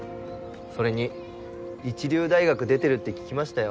それに一流大学出てるって聞きましたよ。